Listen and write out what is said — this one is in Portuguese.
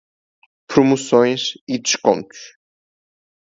Promoções e descontos